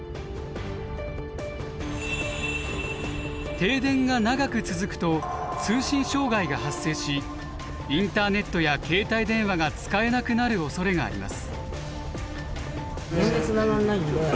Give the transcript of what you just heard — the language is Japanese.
停電が長く続くと通信障害が発生しインターネットや携帯電話が使えなくなるおそれがあります。